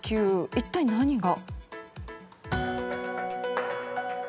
一体何が？